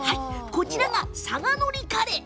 こちらが佐賀のりカレー。